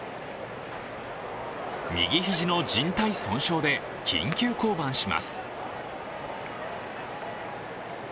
右肘のじん帯損傷で緊急降板します。